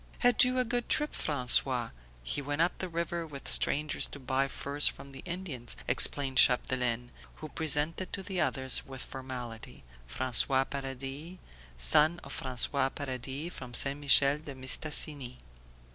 "Had you a good trip, François? He went up the river with strangers to buy furs from the Indians," explained Chapdelaine; who presented to the others with formality "François Paradis, son of François Paradis from St. Michel de Mistassini."